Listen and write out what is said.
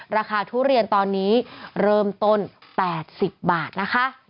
ทุเรียนตอนนี้เริ่มต้น๘๐บาทนะคะ